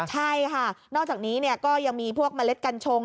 ใช่ค่ะนอกจากนี้ก็ยังมีพวกเมล็ดกัญชง